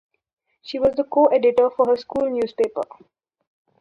She was the co-editor for her school newspaper.